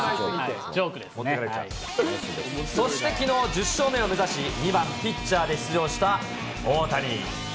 ジョークでそしてきのう、１０勝目を目指し、２番ピッチャーで出場した大谷。